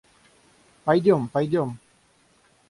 Пойдем, пойдем!